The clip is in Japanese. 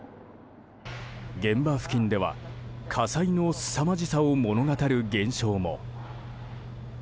現場付近では、火災のすさまじさを物語る現象も。